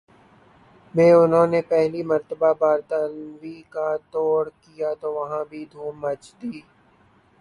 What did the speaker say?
میں انہو نہ پہلی مرتبہ برطانوی کا ٹور کیا تو وہاں بھی دھوم مچ دی